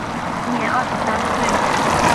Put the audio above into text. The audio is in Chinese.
时年二十三岁。